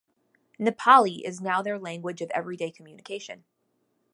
Nepali is now their language of everyday communication.